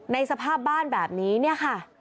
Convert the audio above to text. สภาพบ้านแบบนี้เนี่ยค่ะ